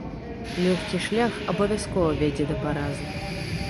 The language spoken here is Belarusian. Лёгкі шлях абавязкова вядзе да паразы.